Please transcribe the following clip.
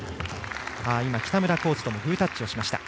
北村コーチともグータッチをしました。